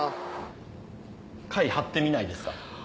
貝貼ってみないですか？